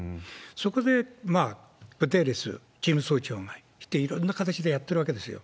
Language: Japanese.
そこでグテーレス事務総長が来て、いろんな形でやってるわけですよ。